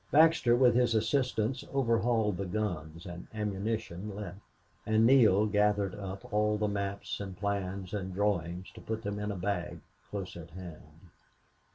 Baxter, with his assistants, overhauled the guns and ammunition left; and Neale gathered up all the maps and plans and drawings and put them in a bag close at hand.